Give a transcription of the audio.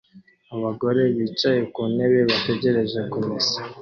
Abagore bicaye ku ntebe bategereje kumesa